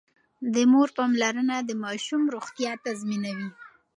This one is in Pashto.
د مور پاملرنه د ماشوم روغتيا تضمينوي.